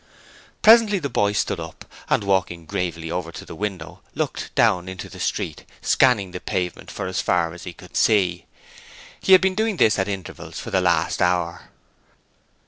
Presently the boy stood up and walking gravely over to the window, looked down into the street, scanning the pavement for as far as he could see: he had been doing this at intervals for the last hour.